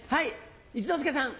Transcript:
一之輔さん。